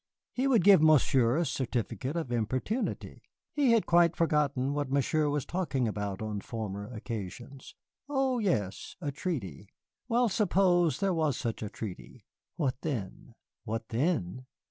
He would give Monsieur a certificate of importunity. He had quite forgotten what Monsieur was talking about on former occasions. Oh, yes, a treaty. Well, suppose there was such a treaty, what then? What then?